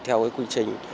theo quy trình